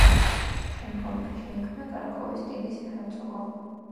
შემდგომ კი შეიქმნა კრაკოვის დიდი საჰერცოგო.